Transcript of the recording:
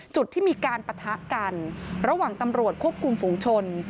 จุดที่มีการปะทะกันระหว่างตำรวจควบคุมฝุงชน